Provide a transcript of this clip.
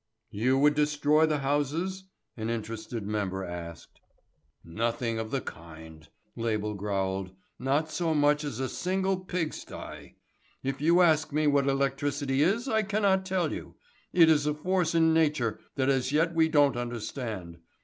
"You would destroy the houses?" an interested member asked. "Nothing of the kind," Label growled. "Not so much as a single pig sty. If you ask me what electricity is I cannot tell you. It is a force in nature that as yet we don't understand.